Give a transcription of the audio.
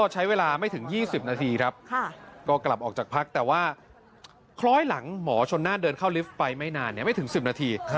หลังหมอชนนั่นเดินเข้าลิฟต์ไปไม่นานไม่ถึง๑๐นาที